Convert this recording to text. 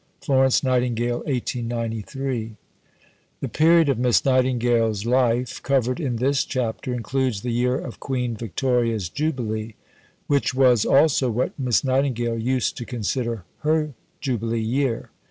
FLORENCE NIGHTINGALE (1893). The period of Miss Nightingale's life covered in this chapter includes the year of Queen Victoria's Jubilee; which was also what Miss Nightingale used to consider her Jubilee Year.